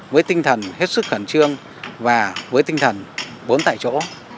với tinh thần hết sức khẩn trương và với tinh thần bốn tại chỗ